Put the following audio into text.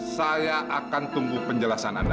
saya akan tunggu penjelasan anda